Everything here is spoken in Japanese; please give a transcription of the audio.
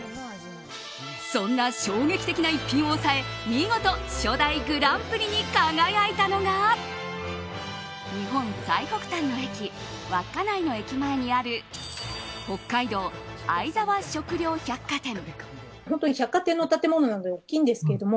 そんな衝撃的な逸品を抑え見事初代グランプリに輝いたのが日本最北端の駅稚内の駅前にある北海道相沢食料百貨店。